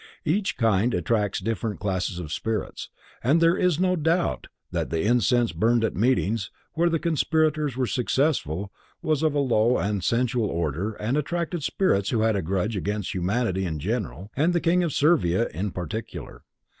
Each kind attracts different classes of spirits, and there is no doubt that the incense burned at meetings where the conspirators were successful was of a low and sensual order and attracted spirits who had a grudge against humanity in general and the King of Servia in particular.